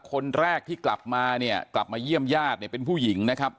คนแรกที่กลับมาเนี่ยกลับมาเยี่ยมญาติเนี่ยเป็นผู้หญิงนะครับ